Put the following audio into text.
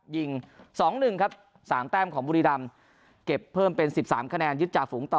ยิง๒๑ครับ๓แต้มของบุรีรำเก็บเพิ่มเป็น๑๓คะแนนยึดจากฝูงต่อ